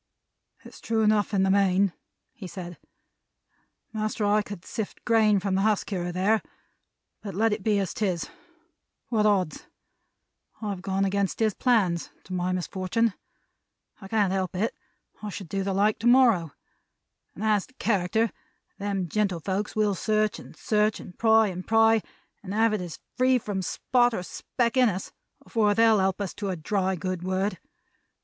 "It's true enough in the main," he said, "master, I could sift grain from the husk here and there, but let it be as 'tis. What odds? I have gone against his plans; to my misfortun'. I can't help it; I should do the like to morrow. As to character, them gentlefolks will search and search, and pry and pry, and have it as free from spot or speck in us, afore they'll help us to a dry good word!